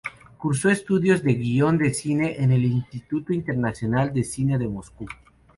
Cursó estudios de guion de cine en el Instituto Internacional de Cine de Moscú.